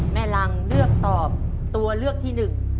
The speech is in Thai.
หลังเลือกตอบตัวเลือกที่๑